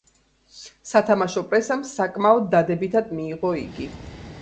სათამაშო პრესამ საკმაოდ დადებითად მიიღო იგი.